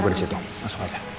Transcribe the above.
gue disitu langsung aja